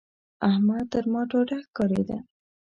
احمد تر ما ډاډه ښکارېده.